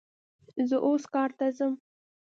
زه اوس کار ته ځم